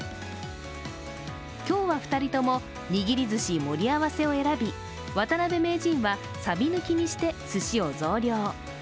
今日は２人ともにぎり寿司盛り合わせを選び渡辺名人はさび抜きにしてすしを増量。